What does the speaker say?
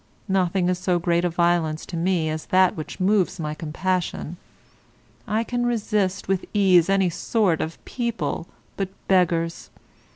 Nothing is so great a violence to me as that which moves my compassion. I can resist with ease any sort of people but beggars.